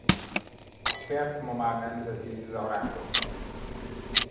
A kert ma már nemzeti zarándokhely.